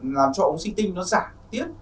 làm cho oxy tin nó giả thiết